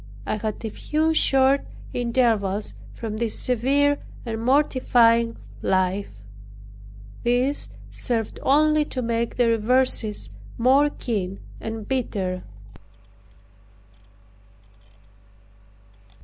I had a few short intervals from this severe and mortifying life. These served only to make the reverses more keen and bitter.